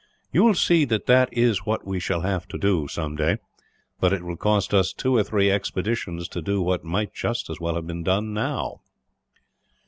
You will see that that is what we shall have to do, some day; but it will cost us two or three expeditions to do what might just as well be done, now."